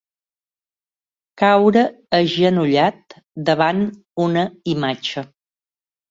Caure agenollat davant una imatge.